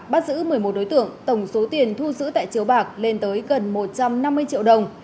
bắt giữ một mươi một đối tượng tổng số tiền thu giữ tại chiếu bạc lên tới gần một trăm năm mươi triệu đồng